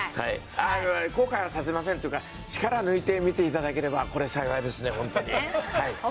後悔はさせませんっていうか力抜いて見て頂ければこれ幸いですねホントにはい。